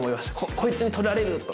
こいつに取られると。